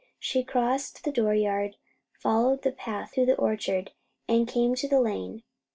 She crossed the dooryard, followed the path through the orchard, and came to the lane.